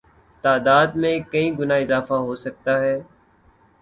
تعداد میں کئی گنا اضافہ ہوسکتا ہے